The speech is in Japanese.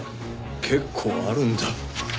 結構あるんだ。